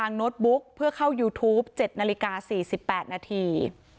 โน้ตบุ๊กเพื่อเข้ายูทูป๗นาฬิกา๔๘นาที